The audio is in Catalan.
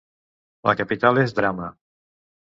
La capital és Drama.